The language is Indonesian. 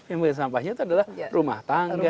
yang menghasilkan sampahnya adalah rumah tangga